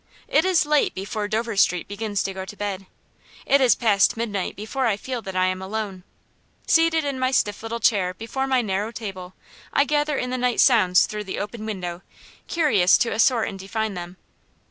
It is late before Dover Street begins to go to bed. It is past midnight before I feel that I am alone. Seated in my stiff little chair before my narrow table, I gather in the night sounds through the open window, curious to assort and define them.